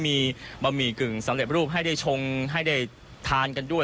มีบะหมี่กึ่งสำเร็จรูปให้ได้ชงให้ได้ทานกันด้วย